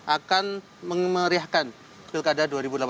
akan memeriahkan pilkada dua ribu delapan belas